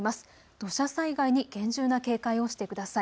土砂災害に厳重な警戒をしてください。